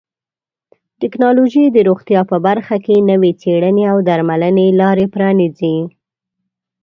ټکنالوژي د روغتیا په برخه کې نوې څیړنې او درملنې لارې پرانیزي.